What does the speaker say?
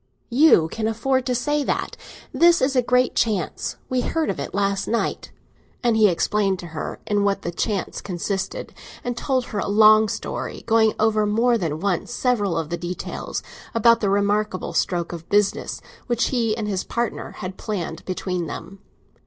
"You can afford to say that? This is a great chance; we heard of it last night." And he explained to her in what the chance consisted; and told her a long story, going over more than once several of the details, about the remarkable stroke of business which he and his partner had planned between them.